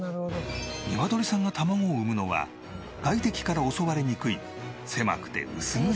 ニワトリさんが卵を産むのは外敵から襲われにくい狭くて薄暗い場所。